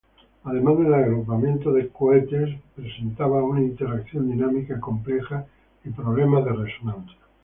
Además el agrupamiento de cohetes presentaba una interacción dinámica compleja y problemas de resonancia.